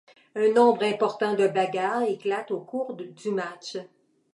Un nombre important de bagarres éclatent au cours du match.